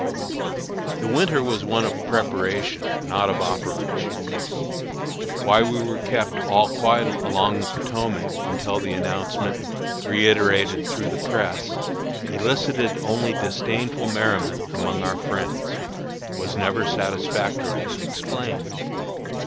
The winter was one of preparation, not of operation. Why we were kept "all quiet along the Potomac," until the announcement, reiterated through the press, elicited only disdainful merriment among our friends, was never satisfactorily explained.